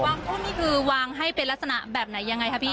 หุ้นนี่คือวางให้เป็นลักษณะแบบไหนยังไงคะพี่